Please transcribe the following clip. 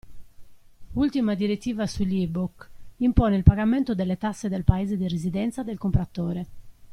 Ultima direttiva sugli ebook impone il pagamento delle tasse dal paese di residenza del compratore.